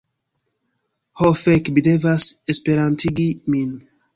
Ho fek, mi devas Esperantigi min.